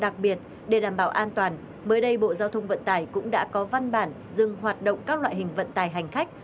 đặc biệt để đảm bảo an toàn mới đây bộ giao thông vận tải cũng đã có văn bản dừng hoạt động các loại hình vận tài hành khách